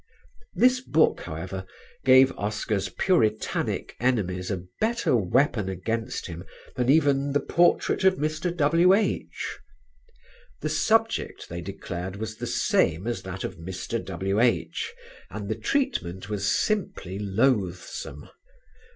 This book, however, gave Oscar's puritanic enemies a better weapon against him than even "The Portrait of Mr. W.H." The subject, they declared, was the same as that of "Mr. W.H.," and the treatment was simply loathsome.